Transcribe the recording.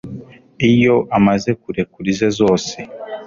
Iyo amaze kurekura ize zose,